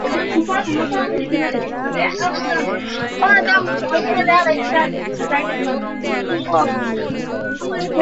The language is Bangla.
তবে এটি মার্কিন বক্স অফিসে দক্ষতা অর্জনে ব্যর্থ হলেও আন্তর্জাতিকভাবে আরও ভাল ফল করে।